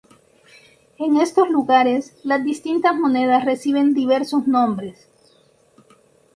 En estos lugares, las distintas monedas reciben diversos nombres.